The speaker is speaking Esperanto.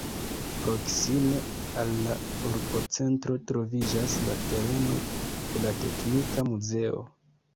Proksime al la urbocentro troviĝas la tereno de la teknika muzeo.